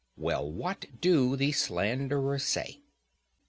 Well, what do the slanderers say?